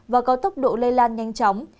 và có tốc độ lây lan nhanh chóng